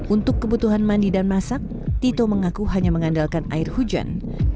untuk kebutuhan mandi dan masak tito mengaku hanya mengandalkan air hujan